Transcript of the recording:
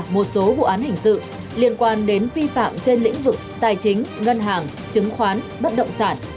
một số vụ án hình sự liên quan đến vi phạm trên lĩnh vực tài chính ngân hàng chứng khoán bất động sản